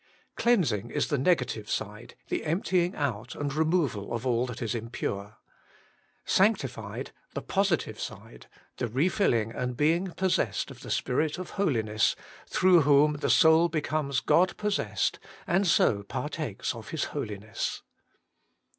Cleansing is the negative side, the emptying out and removal of all that is im 102 Working for God pure. Sanctified, the positive side, the re fiUing and being possessed of the spirit of hoHness, through whom the soul becomes God possessed, and so partakes of His hoU ness.